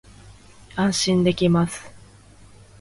安心できます